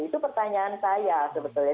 itu pertanyaan saya sebetulnya